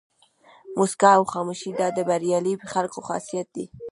موسکا او خاموشي دا د بریالي خلکو خاصیت دی.